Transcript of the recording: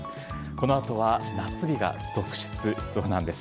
このあとは夏日が続出しそうなんです。